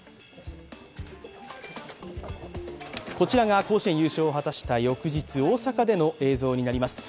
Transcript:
こちらが甲子園優勝を果たした翌日大阪での映像になります。